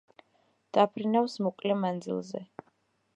დაფრინავს მოკლე მანძილზე.